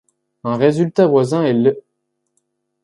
Un résultat voisin est l'.